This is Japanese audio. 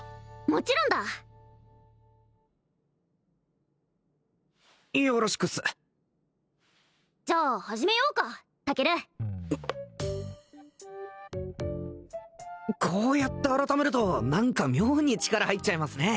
もちろんだよろしくっすじゃあ始めようかタケルこうやって改めると何か妙に力入っちゃいますね